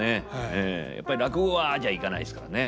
やっぱり落語はああじゃいかないですからね。